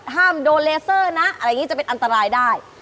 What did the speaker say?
โดนเลเซอร์นะอะไรอย่างนี้จะเป็นอันตรายได้